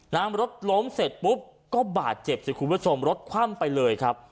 น้ำรถล้มเสร็จปุ๊บก็บาดเจ็บสิคุณผู้ชมรถคว่ำไปเลยครับ